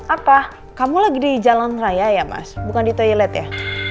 apa kamu lagi di jalan raya ya mas bukan di toilet ya